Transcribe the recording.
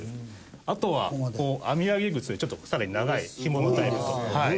あとは編み上げ靴でさらに長い紐のタイプと。